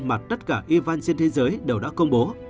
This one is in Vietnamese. mà tất cả iran trên thế giới đều đã công bố